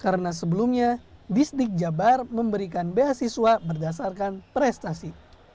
karena sebelumnya bisnik jabar memberikan beasiswa berdasarkan prestasi